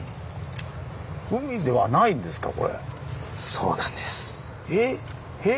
そうなんです。